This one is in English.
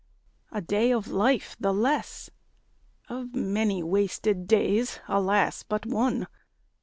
A day of life the less; Of many wasted days, alas, but one!